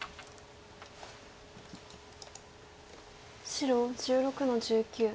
白１６の十九。